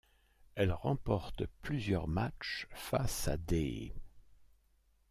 Elle remporte plusieurs matchs face à des '.